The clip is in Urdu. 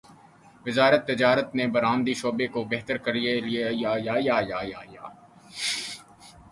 وزارت تجارت نے برآمدی شعبے کو بہتری کیلیے متعدد اقدامات تجویز کیے ہیں